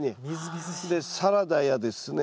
でサラダやですね